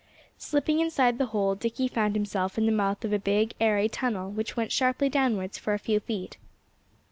Slipping inside the hole, Dickie found himself in the mouth of a big, airy tunnel, which went sharply downwards for a few feet.